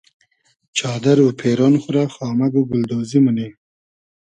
چادئر و پېرۉن خو رۂ خامئگ و گولدۉزی مونی